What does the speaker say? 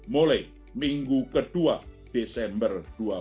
mulai minggu kedua desember dua ribu dua puluh